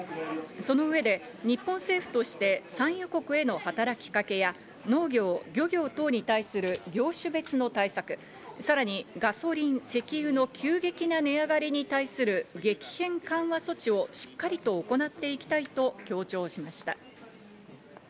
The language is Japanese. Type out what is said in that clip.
その上で日本政府として産油国への働きかけや農業、漁業等に対する業種別の対策、さらにガソリン、石油の急激な値上がりに対する激変緩和措置をしっかりと行っていきたいと強調しました。